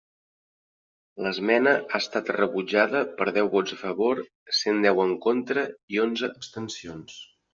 L'esmena ha estat rebutjada per deu vots a favor, cent deu en contra i onze abstencions.